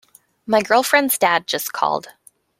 My girlfriend's dad just called.